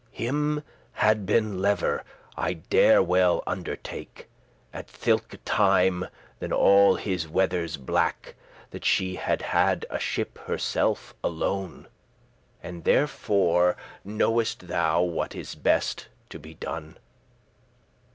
<30> *Him had been lever, I dare well undertake, At thilke time, than all his wethers black, That she had had a ship herself alone.* *see note <31> And therefore know'st thou what is best to be done?